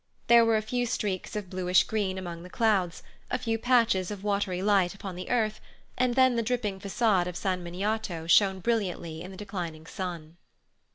There were a few streaks of bluish green among the clouds, a few patches of watery light upon the earth, and then the dripping façade of San Miniato shone brilliantly in the declining sun.